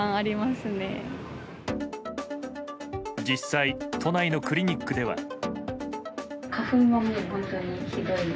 実際、都内のクリニックでは。